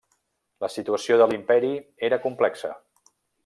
La situació de l'Imperi era complexa.